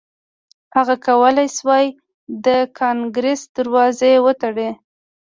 هغه کولای شوای د کانګریس دروازې وتړي.